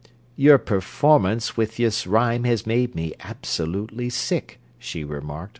"Your performance with this rhyme has Made me absolutely sick," She remarked.